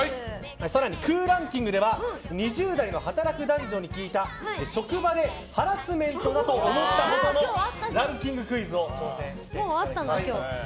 更に空欄キングでは２０代の働く男女に聞いた職場でハラスメントだと思ったことのランキングクイズに挑戦していただきます。